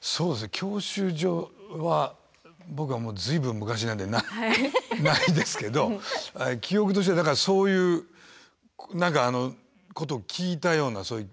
教習所は僕は随分昔なんでないですけど記憶としてはだからそういうことを聞いたようなそういう。